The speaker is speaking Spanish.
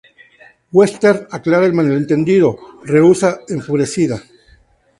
Western aclara el malentendido, rehúsa enfurecida.